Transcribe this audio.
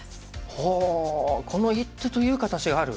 ほうこの一手という形がある。